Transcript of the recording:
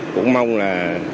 cũng mong là